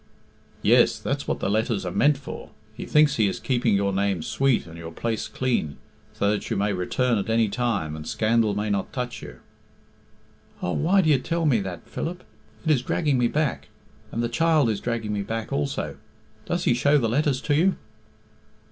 "Yes; that's what the letters are meant for. He thinks he is keeping your name sweet and your place clean, so that you may return at any time, and scandal may not touch you." "Oh, why do you tell me that, Philip? It is dragging me back. And the child is dragging me back also... Does he show the letters to you?"